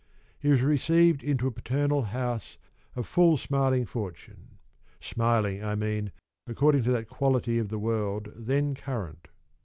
He was received into a paternal house of full smiling fortune, smiling, I mean, according to the quality of the world then current.